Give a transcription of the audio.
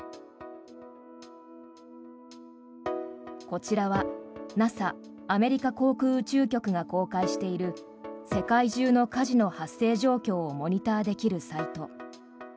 こちらはＮＡＳＡ・アメリカ航空宇宙局が公開している世界中の火事の発生状況をモニターできるサイト。